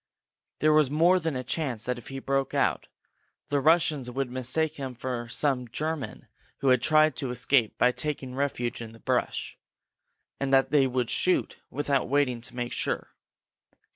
There was more than a chance that if he broke out, the Russians would mistake him for some German who had tried to escape by taking refuge in the brush, and that they would shoot without waiting to make sure.